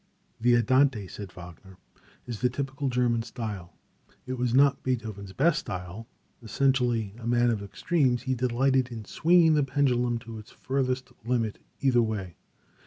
"The Andante" said Wagner "is the typical German style." It was not Beethoven's best style. Essentially a man of extremes, he delighted in swinging the pendulum to its furthest limit either way.